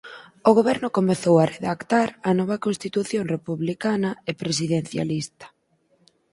O Goberno comezou a redactar a nova Constitución republicana e presidencialista.